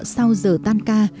sau giờ tan ca